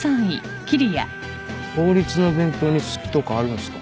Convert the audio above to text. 法律の勉強に好きとかあるんすか？